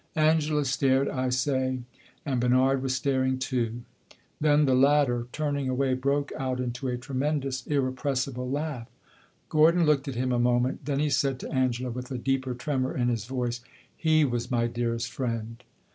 Angela stared, I say; and Bernard was staring, too. Then the latter, turning away, broke out into a tremendous, irrepressible laugh. Gordon looked at him a moment; then he said to Angela, with a deeper tremor in his voice "He was my dearest friend."